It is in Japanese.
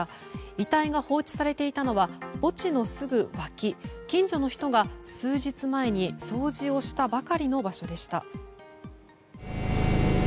遺体が放置されていたのは墓地のすぐ脇近所の人が数日前に掃除をしたばかりの場所でした。